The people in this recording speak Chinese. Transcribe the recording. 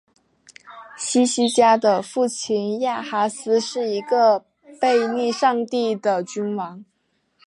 希西家的父亲亚哈斯是一个背逆上帝的君王。